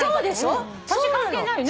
年関係ないね。